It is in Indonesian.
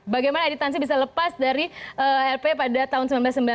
bagaimana edi tansil bisa lepas dari lp pada tahun seribu sembilan ratus sembilan puluh enam